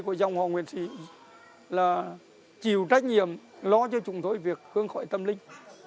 của dòng họ nguyễn sĩ là chịu trách nhiệm lo cho chúng tôi việc hướng khỏi tâm linh